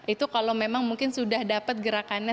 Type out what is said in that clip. itu kalau memang mungkin sudah dapat gerakannya